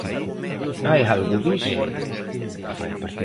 Hai algo diso?